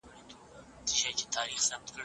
کارپوهان دا خبره تاییدوي.